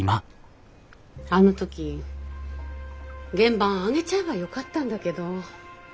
あの時原盤揚げちゃえばよかったんだけど。